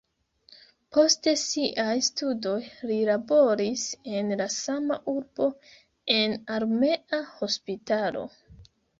Post siaj studoj li laboris en la sama urbo en armea hospitalo.